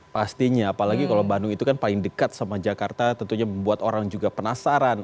pastinya apalagi kalau bandung itu kan paling dekat sama jakarta tentunya membuat orang juga penasaran